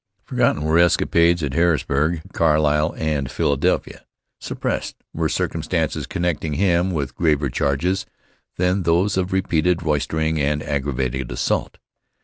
Forgotten were escapades at Harrisburg, Carlisle and Philadelphia. Suppressed were circumstances connecting him with graver charges than those of repeated roistering and aggravated assault.